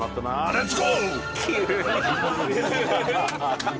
レッツゴー！